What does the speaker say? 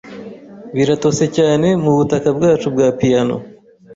Biratose cyane mubutaka bwacu bwa piyano.